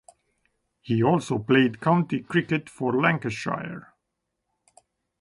He also played county cricket for Lancashire.